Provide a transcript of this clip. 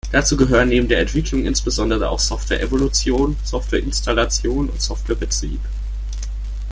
Dazu gehören neben der Entwicklung insbesondere auch Software-Evolution, Software-Installation und Software-Betrieb.